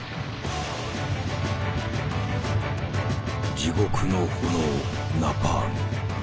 地獄の炎ナパーム。